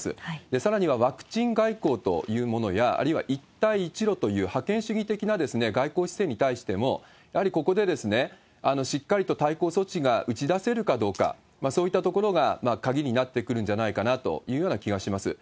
さらにはワクチン外交というものや、あるいは一帯一路という覇権主義的な外交姿勢に対しても、やはりここでしっかりと対抗措置が打ち出せるかどうか、そういったところが鍵になってくるんじゃないかなというような気がします。